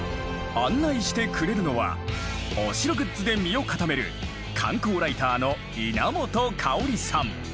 案内してくれるのはお城グッズで身を固める観光ライターのいなもとかおりさん。